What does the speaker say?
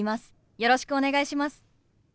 よろしくお願いします。